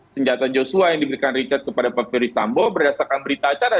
senjata joshua yang diberikan richard kepada pak ferdisambo berdasarkan berita acara